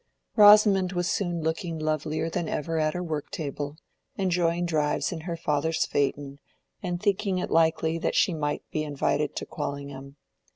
Rosamond was soon looking lovelier than ever at her worktable, enjoying drives in her father's phaeton and thinking it likely that she might be invited to Quallingham.